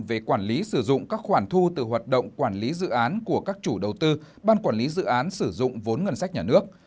về quản lý sử dụng các khoản thu từ hoạt động quản lý dự án của các chủ đầu tư ban quản lý dự án sử dụng vốn ngân sách nhà nước